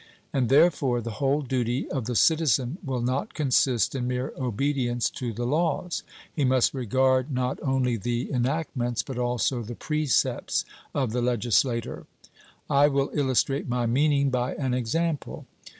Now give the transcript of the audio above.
And therefore the whole duty of the citizen will not consist in mere obedience to the laws; he must regard not only the enactments but also the precepts of the legislator. I will illustrate my meaning by an example.